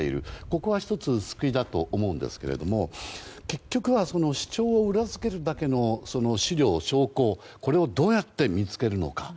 ここは１つ、救いだと思うんですが結局は主張を裏付けるだけの資料、証拠をどうやって見つけるか。